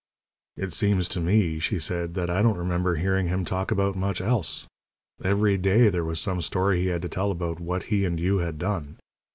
"It seems to me," she said, "that I don't remember hearing him talk about much else. Every day there was some story he had to tell about what he and you had done.